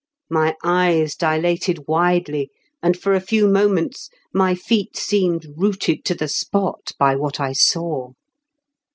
My eyes dilated widely, and for a few moments my feet seemed rooted to the spot by what I saw.